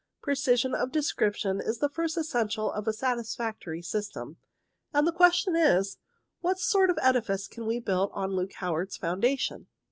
Precision of description is the first essential of a satisfactory system, and the question is, what sort of edifice can we build on Luke Howard's foundation.